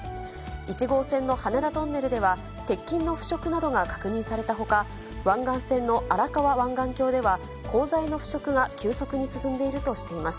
１号線の羽田トンネルでは、鉄筋の腐食などが確認されたほか、湾岸線の荒川湾岸橋では、鋼材の腐食が急速に進んでいるとしています。